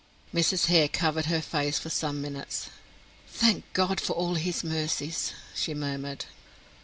Mrs. Hare covered her face for some minutes. "Thank God for all his mercies," she murmured.